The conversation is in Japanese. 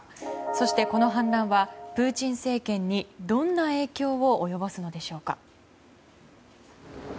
そして、この反乱はプーチン政権にどんな影響を及ぼすのでしょうか。